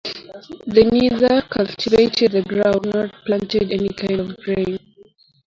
They neither cultivated the ground nor planted any kind of grain.